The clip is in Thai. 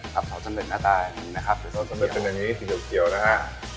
ครับซอสสำเร็จหน้าตาอย่างนี้นะครับซอสสำเร็จเป็นอย่างงี้สีเดียวเกียวนะฮะ